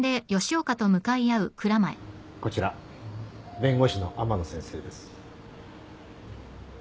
こちら弁護士の天野先生です。